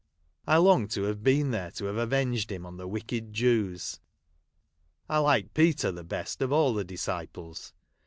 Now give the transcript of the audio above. I longed to, have been there, to have avenged him on the Avicked JCAVS. I liked Peter the best of all the disciples.